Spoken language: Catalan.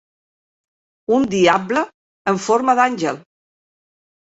Un diable en forma d'àngel.